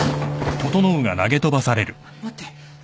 待って。